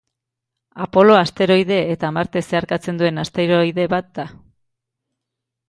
Apolo asteroide eta Marte zeharkatzen duen asteroide bat da.